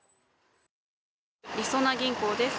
りそな銀行です。